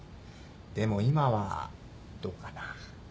でも今はどうかな？